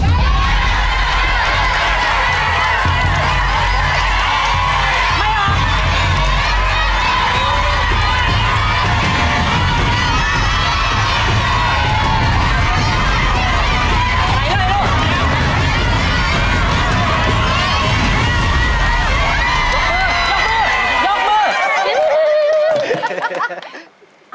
ยกมือ